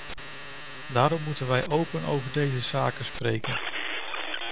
Daarom moeten wij open over deze zaken spreken.